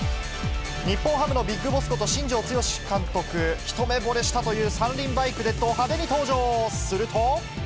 日本ハムのビッグボスこと、新庄剛志監督、一目ぼれしたという三輪バイクで、ど派手に登場。